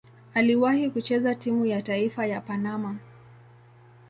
Aliwahi kucheza timu ya taifa ya Panama.